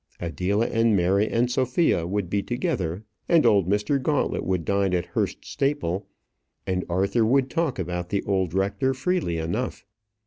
Adela and Mary and Sophia would be together, and old Mr. Gauntlet would dine at Hurst Staple, and Arthur would talk about the old rector freely enough.